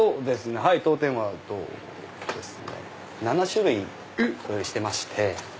当店は７種類ご用意してまして。